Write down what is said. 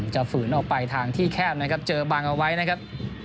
ฝืนออกไปทางที่แคบนะครับเจอบังเอาไว้นะครับ